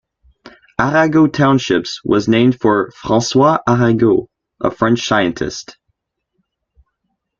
Arago Township was named for François Arago, a French scientist.